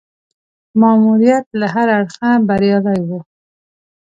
ماموریت له هره اړخه بریالی وو.